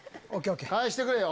返してくれよ！